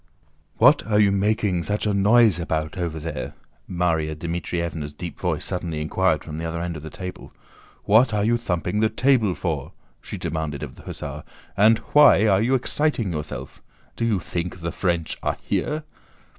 "What are you making such a noise about over there?" Márya Dmítrievna's deep voice suddenly inquired from the other end of the table. "What are you thumping the table for?" she demanded of the hussar, "and why are you exciting yourself? Do you think the French are here?"